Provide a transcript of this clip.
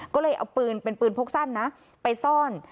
ก็เลยเอาปืนเป็นปืนพกสั้นนะไปซ่อน